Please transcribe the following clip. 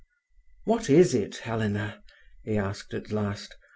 "What is it, Helena?" he asked at last.